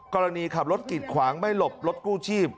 กรณีขับรถกิดขวางไม่หลบรถกู้ชีพ